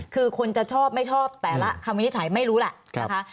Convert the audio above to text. คือคนจะชอบไม่ชอบแต่ละคำวินิจฉัยไม่รู้แหละนะคะ